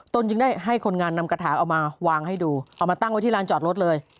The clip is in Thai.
จึงได้ให้คนงานนำกระถางเอามาวางให้ดูเอามาตั้งไว้ที่ร้านจอดรถเลย